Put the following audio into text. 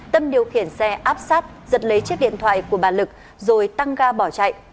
tâm điều khiển xe áp sát giật lấy chiếc điện thoại của bà lực rồi tăng ga bỏ chạy